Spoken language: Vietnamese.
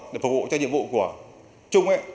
để phục vụ cho nhiệm vụ của chung ấy